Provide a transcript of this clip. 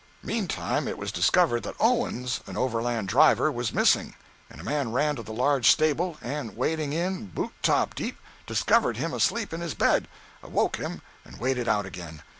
Meantime it was discovered that Owens, an overland driver, was missing, and a man ran to the large stable, and wading in, boot top deep, discovered him asleep in his bed, awoke him, and waded out again.